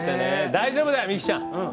大丈夫だよ、みきちゃん！